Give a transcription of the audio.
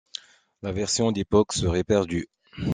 La version d'époque serait perdue.